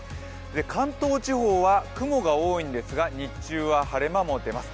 関東地方は雲が多いんですが日中は晴れ間も出ます。